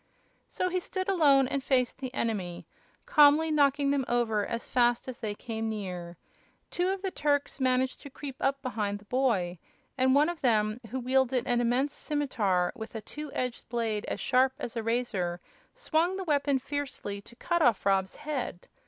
So he stood alone and faced the enemy, calmly knocking them over as fast as they came near. Two of the Turks managed to creep up behind the boy, and one of them, who wielded an immense simitar with a two edged blade as sharp as a razor, swung the weapon fiercely to cut off Rob's head.